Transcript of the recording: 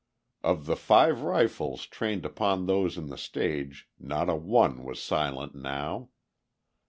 Of the five rifles trained upon those in the stage not a one was silent now.